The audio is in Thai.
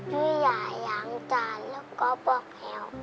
ช่วยยายอย่างจานแล้วก็บอกแมว